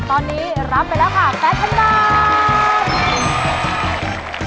ตอนนี้รับไปแล้วค่ะ๘๐๐๐บาท